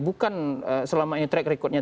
bukan selama ini track recordnya